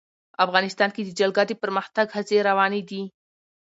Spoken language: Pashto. افغانستان کې د جلګه د پرمختګ هڅې روانې دي.